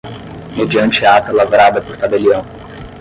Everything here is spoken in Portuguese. mediante ata lavrada por tabelião